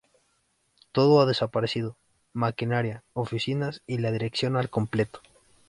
Todo ha desaparecido: maquinaria, oficinas y la dirección al completo.